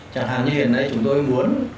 chẳng hạn như hiện nay chúng tôi muốn kiểm tra